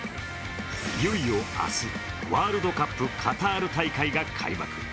いよいよ明日、ワールドカップカタール大会が開幕。